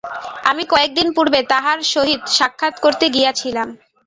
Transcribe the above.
আমি কয়েক দিন পূর্বে তাঁহার সহিত সাক্ষাৎ করিতে গিয়াছিলাম।